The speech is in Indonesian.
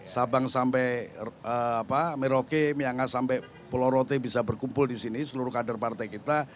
sabang sampai merauke myangas sampai pulau rote bisa berkumpul di sini seluruh kader partai kita